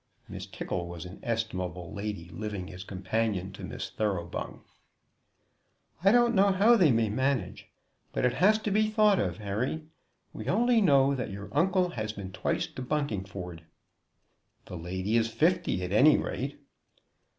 Miss Tickle was an estimable lady living as companion to Miss Thoroughbung. "I don't know how they may manage; but it has to be thought of, Harry. We only know that your uncle has been twice to Buntingford." "The lady is fifty, at any rate."